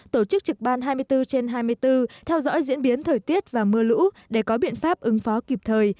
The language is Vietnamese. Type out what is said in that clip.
tổ chức trực ban hai mươi bốn trên hai mươi bốn theo dõi diễn biến thời tiết và mưa lũ để có biện pháp ứng phó kịp thời